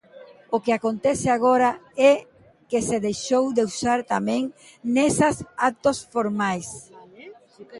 O que acontece agora é que se deixou de usar tamén nesas actos formais.